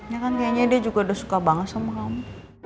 ya kan kayaknya dia juga udah suka banget sama kamu